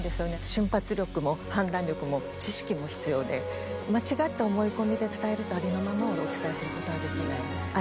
瞬発力も判断力も知識も必要で間違った思い込みで伝えるとありのままをお伝えすることはできない。